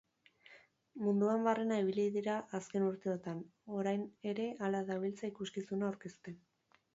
Munduan barrena ibili dira azken urteotan, orain ere hala dabiltza ikuskizuna aurkezten.